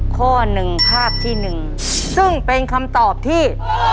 ข้อ๑ภาพที่๑ซึ่งเป็นคำตอบที่